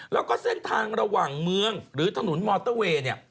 แล้วก็เส้นทางระหว่างเมืองหรือถนนมอเตอร์เวย์เนี่ย